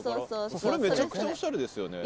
それめちゃくちゃおしゃれですよね。